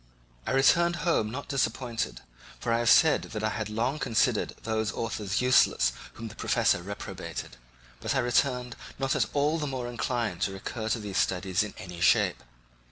I returned home not disappointed, for I have said that I had long considered those authors useless whom the professor reprobated; but I returned not at all the more inclined to recur to these studies in any shape.